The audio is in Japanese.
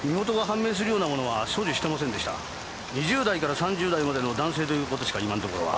２０代から３０代までの男性という事しか今のところは。